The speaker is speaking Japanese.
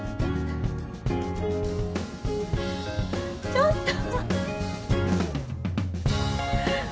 ちょっと。